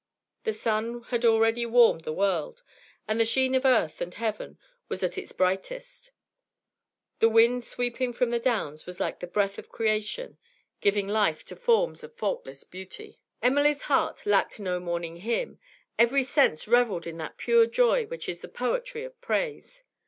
The sun had already warmed the world, and the sheen of earth and heaven was at its brightest; the wind sweeping from the downs was like the breath of creation, giving life to forms of faultless beauty. Emily's heart lacked no morning hymn; every sense revelled in that pure joy which is the poetry of praise.